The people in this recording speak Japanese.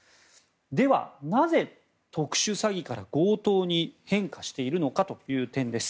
では、なぜ特殊詐欺から強盗に変化しているのかという点です。